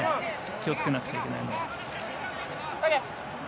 気をつけなくちゃいけないのは。